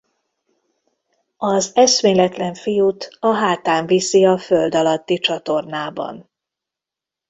Az eszméletlen fiút a hátán viszi a föld alatti csatornában.